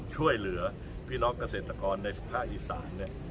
ช่วยเหลือพี่น้องเกษตรกรในภาคอีสาน